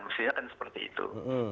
maksudnya kan seperti itu